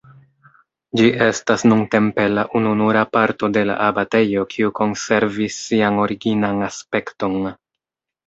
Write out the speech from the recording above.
Ĝi estas nuntempe la ununura parto de la abatejo kiu konservis sian originan aspekton.